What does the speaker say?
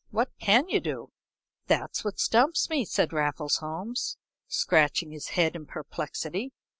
"What can you do?" "That's what stumps me," said Raffles Holmes, scratching his head in perplexity.